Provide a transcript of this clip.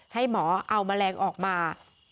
ให้หมอเอามะแรงออกมา